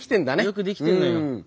よくできてんのよ。